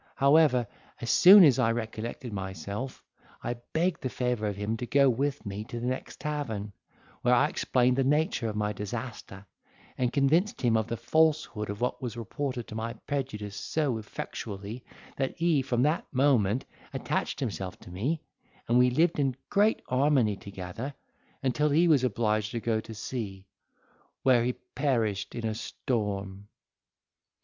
However, as soon as I recollected myself, I begged the favour of him to go with me to the next tavern, where I explained the nature of my disaster, and convinced him of the falsehood of what was reported to my prejudice so effectually, that he from that moment attached himself to me, and we lived in great harmony together, until he was obliged to go to sea, where he perished in a storm.